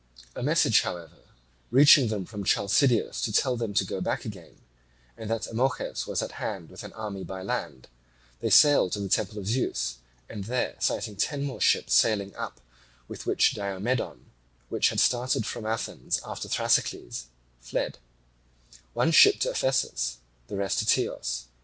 A message, however, reaching them from Chalcideus to tell them to go back again, and that Amorges was at hand with an army by land, they sailed to the temple of Zeus, and there sighting ten more ships sailing up with which Diomedon had started from Athens after Thrasycles, fled, one ship to Ephesus, the rest to Teos.